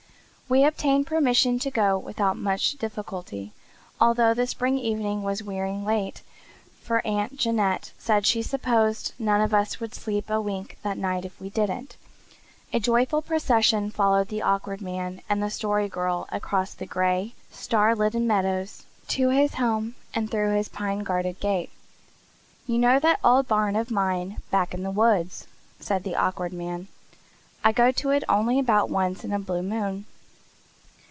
We obtained permission to go without much difficulty, although the spring evening was wearing late, for Aunt Janet said she supposed none of us would sleep a wink that night if we didn't. A joyful procession followed the Awkward Man and the Story Girl across the gray, star litten meadows to his home and through his pine guarded gate. "You know that old barn of mine back in the woods?" said the Awkward Man. "I go to it only about once in a blue moon.